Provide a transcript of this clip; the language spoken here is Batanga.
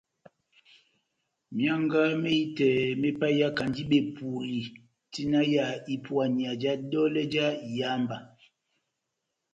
Mianga mehitɛ me paiyakandi bepuli tina ya ipuania ja dolɛ já iyamba